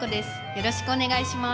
よろしくお願いします。